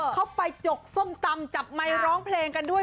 เข้าไปจกส้มตำจับไมค์ร้องเพลงกันด้วย